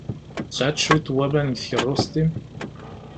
Tesɛiḍ cwiṭ n waman deg tkeṛṛust-im?